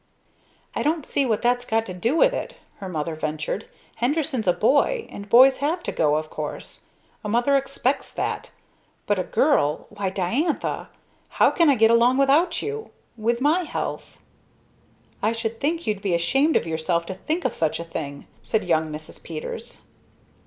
"I don't see what that's got to do with it," her mother ventured. "Henderson's a boy, and boys have to go, of course. A mother expects that. But a girl Why, Diantha! How can I get along without you! With my health!" "I should think you'd be ashamed of yourself to think of such a thing!" said young Mrs. Peters.